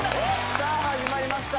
さあ始まりました